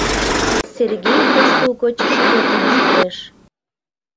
Сергей пасу гоч шкетын ошкылеш.